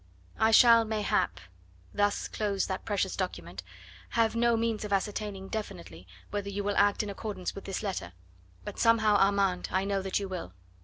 "I shall mayhap," thus closed that precious document, "have no means of ascertaining definitely whether you will act in accordance with this letter. But somehow, Armand, I know that you will."